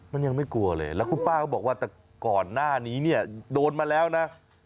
มันยังไม่กลัวเลยแล้วคุณป้าก็บอกว่าแต่ก่อนหน้านี้เนี่ยโดนมาแล้วนะ